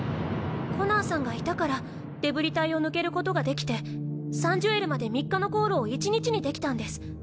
コナーさんがいたからデブリ帯を抜けることができてサン・ジュエルまで３日の航路を１日にできたんです。